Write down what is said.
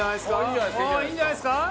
いいんじゃないですか？